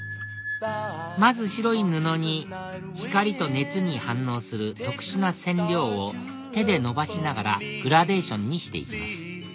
まず白い布に光と熱に反応する特殊な染料を手でのばしながらグラデーションにして行きます